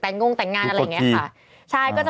เป็นการกระตุ้นการไหลเวียนของเลือด